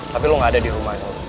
tapi lo gak ada dirumahnya